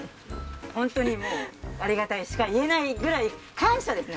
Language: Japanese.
ホントにもうありがたいしか言えないぐらい感謝ですね